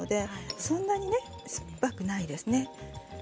そんなに酸っぱくないですね。